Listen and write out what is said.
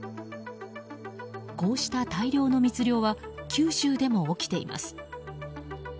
こうした大量の密漁は九州でも起きています。